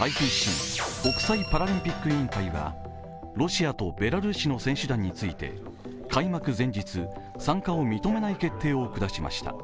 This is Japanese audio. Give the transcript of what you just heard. ＩＰＣ＝国際パラリンピック委員会はロシアとベラルーシの選手団について開幕前日、参加を認めない決定を下しました。